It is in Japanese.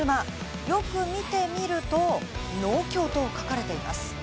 よく見てみると、農協と書かれています。